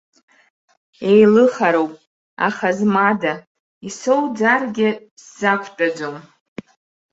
Еилыхароуп, аха змада, исоуӡаргьы сзақәтәаӡом.